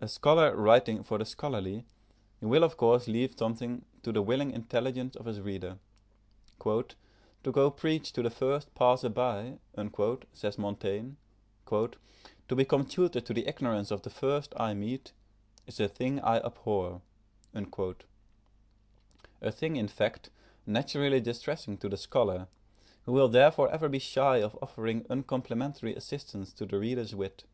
A scholar writing for the scholarly, he will of course leave something to the willing intelligence of his reader. "To go preach to the first passer by," says Montaigne, "to become tutor to the ignorance of the first I meet, is a thing I abhor;" a thing, in fact, naturally distressing to the scholar, who will therefore ever be shy of offering uncomplimentary assistance to the reader's wit.